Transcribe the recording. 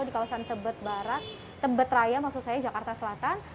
di kawasan tebetraya jakarta selatan